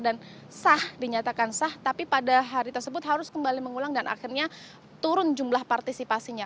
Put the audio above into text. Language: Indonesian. dan sah dinyatakan sah tapi pada hari tersebut harus kembali mengulang dan akhirnya turun jumlah partisipasinya